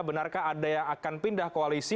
benarkah ada yang akan pindah koalisi